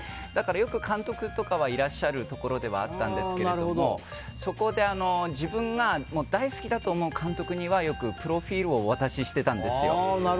よく監督とかはいらっしゃるところではあったんですがそこで自分が大好きだと思う監督にはよくプロフィールをお渡ししてたんですよ。